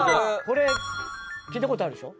これ聞いた事あるでしょ？